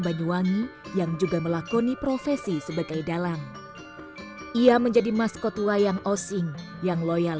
banyuwangi yang juga melakoni profesi sebagai dalang ia menjadi maskot wayang osing yang loyal